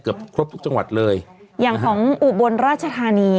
ครบทุกจังหวัดเลยอย่างของอุบลราชธานี